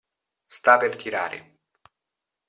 Sta per tirare.